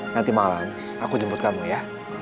nanti malam aku jemput kamu ya